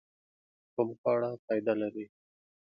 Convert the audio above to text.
کوم خواړه فائده لري؟